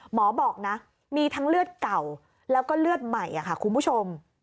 หมอบอกนะมีทั้งเลือดเก่าแล้วก็เลือดใหม่ค่ะคุณผู้ชม